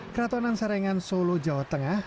keratonan sarengan solo jawa tengah